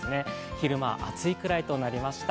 昼間は暑いくらいとなりました。